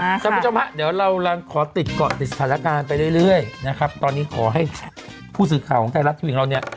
คุณผู้ชมฮะเดี๋ยวเราขอติดเกาะติดสถานการณ์ไปเรื่อยนะครับตอนนี้ขอให้ผู้สื่อข่าวของไทยรัฐทีวีของเราเนี่ย